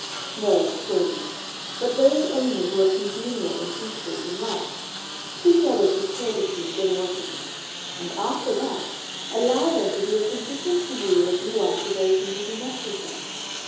"No, surely; but those only who are congenial in principles and life. Treat others with courtesy and generosity, and after that, allow them to be as indifferent to you as you are to those whom you do not prefer.